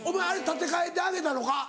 建て替えてあげたのか？